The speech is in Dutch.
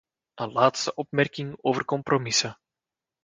Een laatste opmerking over compromissen.